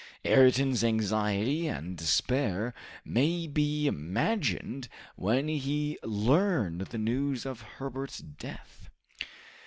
Ayrton's anxiety and despair may be imagined when he learned the news of Herbert's death.